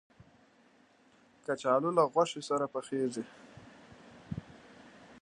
کچالو له غوښې سره پخېږي